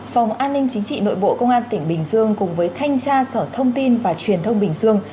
phòng an ninh chính trị nội bộ công an tỉnh bình dương cùng với thanh tra sở thông tin và truyền thông bình dương